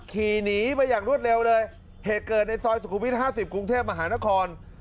ขี่หนีมาอย่างรวดเร็วเลยเหตุเกิดในซอยสุขุมวิท๕๐กรุงเทพมหานคร